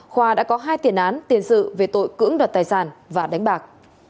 khoa đã có hai tiền án tiền sự về tội cưỡng đoạt tài sản và đánh bạc